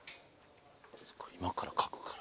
今から書くから。